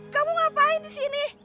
kamu ngapain di sini